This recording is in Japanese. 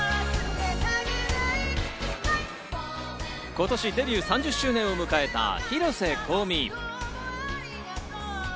今年デビュー３０周年を迎えた広瀬香美。